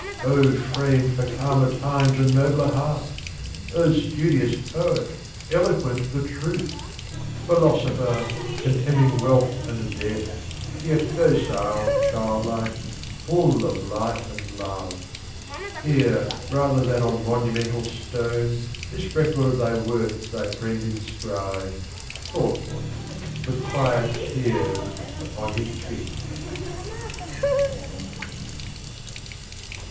O framed for calmer times and nobler hearts ! O studious Poet, eloquent for truth ! Philosopher ! contemning wealth and death, Yet docile, childlike, full of Life and Love ! Here, rather than on monumental stone, This record of thy worth thy Friend inscribes, Thoughtful, with quiet tears upon his cheek.